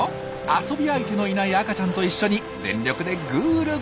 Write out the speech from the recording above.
遊び相手のいない赤ちゃんと一緒に全力でグルグル。